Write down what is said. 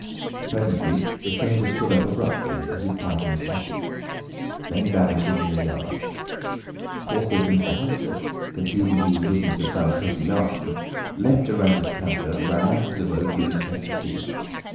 Presently the stranger stood up abruptly and put his pipe in his pocket. Then he vanished into the yard. Forthwith Mr. Huxter, conceiving he was witness of some petty larceny, leapt round his counter and ran out into the road to intercept the thief.